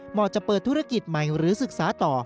จะเปิดธุรกิจใหม่หรือศึกษาต่อ